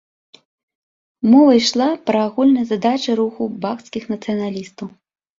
Мова ішла пра агульныя задачы руху баскскіх нацыяналістаў.